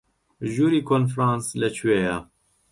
ژووری کۆنفرانس لەکوێیە؟